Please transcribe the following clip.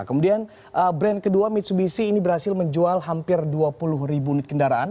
kemudian brand kedua mitsubishi ini berhasil menjual hampir dua puluh ribu unit kendaraan